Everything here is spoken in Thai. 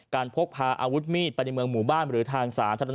พกพาอาวุธมีดไปในเมืองหมู่บ้านหรือทางสาธารณะ